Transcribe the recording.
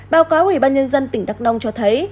báo cáo ủy ban nhân dân tỉnh đắk nông cho thấy